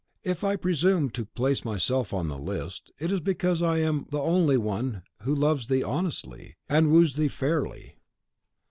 If I presume to place myself in the list, it is because I am the only one who loves thee honestly, and woos thee fairly.